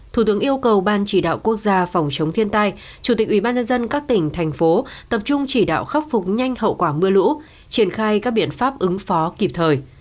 thủ tướng yêu cầu ban chỉ đạo quốc gia phòng chống thiên tai chủ tịch ubnd các tỉnh thành phố tập trung chỉ đạo khắc phục nhanh hậu quả mưa lũ triển khai các biện pháp ứng phó kịp thời